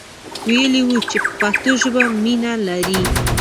ویلی وو چې په پښتو ژبه مینه لري.